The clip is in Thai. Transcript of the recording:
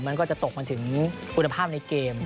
มันก็จะตกมาถึงคุณภาพในเกม